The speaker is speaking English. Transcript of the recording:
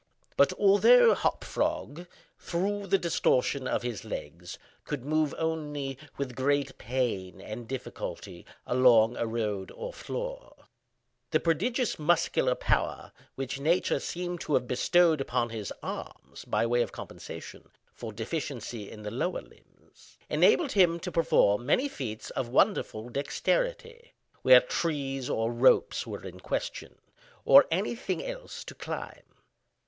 But although Hop Frog, through the distortion of his legs, could move only with great pain and difficulty along a road or floor, the prodigious muscular power which nature seemed to have bestowed upon his arms, by way of compensation for deficiency in the lower limbs, enabled him to perform many feats of wonderful dexterity, where trees or ropes were in question, or any thing else to climb.